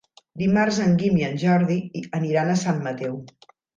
Dimarts en Guim i en Jordi aniran a Sant Mateu.